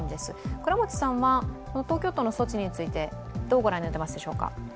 倉持さんは東京都の措置についてどう御覧になってるでしょうか？